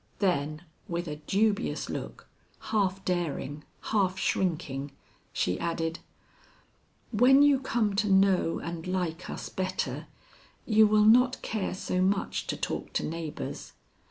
Then, with a dubious look, half daring, half shrinking, she added: "When you come to know and like us better, you will not care so much to talk to neighbors.